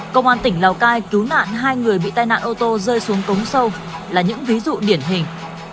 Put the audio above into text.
công an tỉnh lào cai cứu nạn hai người bị tai nạn ô tô rơi xuống cống sâu là những ví dụ điển hình